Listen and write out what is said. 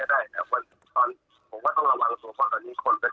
แต่ว่าตอนผมก็ต้องระวังสวนฟังตอนนี้คนก็ต้องยิงผม